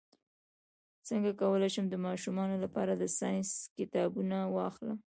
څنګه کولی شم د ماشومانو لپاره د ساینس کتابونه واخلم